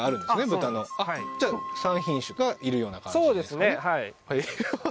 豚のじゃあ３品種がいるような感じそうですね